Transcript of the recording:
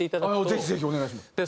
ぜひぜひお願いします。